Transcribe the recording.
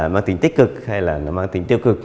mang tính tích cực hay là nó mang tính tiêu cực